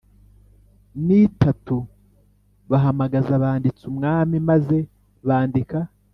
N itatu bahamagaza abanditsi umwami maze bandika